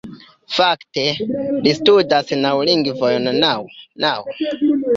Fakte, li studas naŭ lingvojn naŭ? naŭ